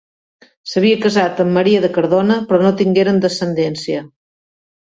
S'havia casat amb Maria de Cardona però no tingueren descendència.